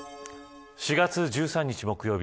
４月１３日、木曜日。